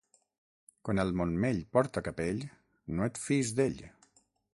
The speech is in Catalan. Quan el Montmell porta capell, no et fiïs d'ell.